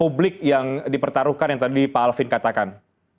publik yang dipertaruhkan yang tadi pak alvin katakan